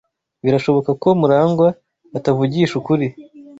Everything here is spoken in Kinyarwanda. Birashoboka ko Murangwa atavugisha ukuri.